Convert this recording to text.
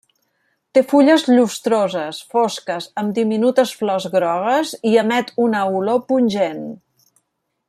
Té fulles llustroses, fosques amb diminutes flors grogues, i emet una olor pungent.